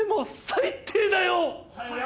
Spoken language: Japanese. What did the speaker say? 最悪だよ！